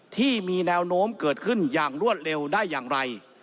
ที่มีแนวโน้มเกิดขึ้นอย่างรวดเร็วได้อย่างไร